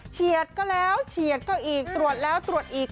เฉียดก็แล้วเฉียดก็อีกตรวจแล้วตรวจอีก